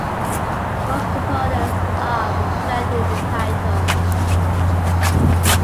Both components are reflected in the title.